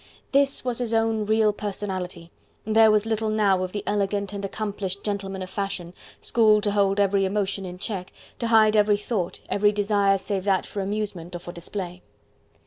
This was his own real personality, and there was little now of the elegant and accomplished gentleman of fashion, schooled to hold every emotion in check, to hide every thought, every desire save that for amusement or for display.